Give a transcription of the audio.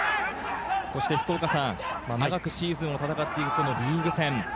そして長くシーズンを戦っているリーグ戦。